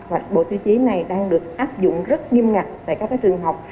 và bộ tiêu chí này đang được áp dụng rất nghiêm ngặt tại các cái trường học